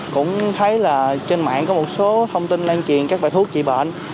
cũng thấy là trên mạng có một số thông tin lan truyền các bài thuốc trị bệnh